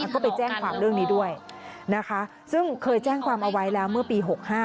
ก็ไปแจ้งความเรื่องนี้ด้วยนะคะซึ่งเคยแจ้งความเอาไว้แล้วเมื่อปี๖๕